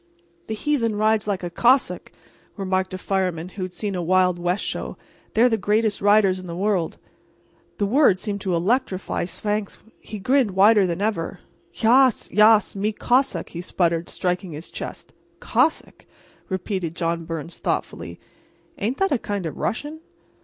"The heathen rides like a Cossack," remarked a fireman who had seen a Wild West show—"they're the greatest riders in the world." The word seemed to electrify Svangvsk. He grinned wider than ever. "Yas—yas—me Cossack," he spluttered, striking his chest. "Cossack!" repeated John Byrnes, thoughtfully, "ain't that a kind of a Russian?"